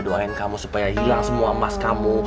doain kamu supaya hilang semua emas kamu